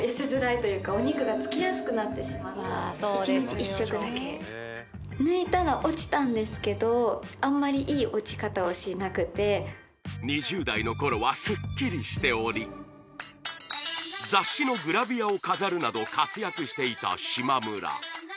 １日１食だけ抜いたら落ちたんですけどあんまりいい落ち方をしなくて２０代の頃はスッキリしており雑誌のグラビアを飾るなど活躍していた嶋村